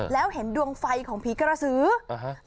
แล้วเห็นดวงไฟของผีกระสืออ่าฮะ